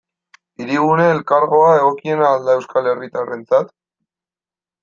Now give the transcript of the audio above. Hirigune Elkargoa egokiena al da euskal herritarrentzat?